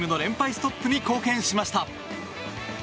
ストップに貢献しました。